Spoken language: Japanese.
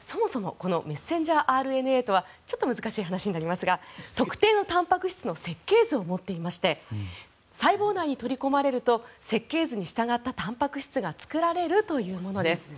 そもそもこのメッセンジャーＲＮＡとはちょっと難しい話になりますが特定のたんぱく質の設計図を持っていまして細胞内に取り込まれると設計図に従ったたんぱく質が作られるというものです。